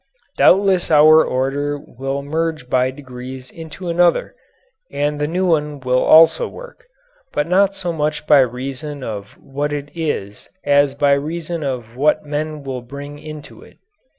Doubtless our order will merge by degrees into another, and the new one will also work but not so much by reason of what it is as by reason of what men will bring into it.